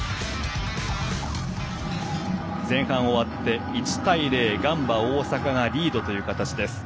前半を終わって１対０ガンバ大阪がリードという形です。